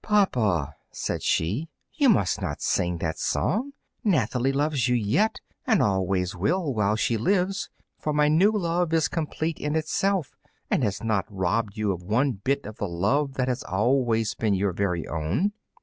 "Papa," said she, "you must not sing that song. Nathalie loves you yet, and always will while she lives; for my new love is complete in itself, and has not robbed you of one bit of the love that has always been your very own."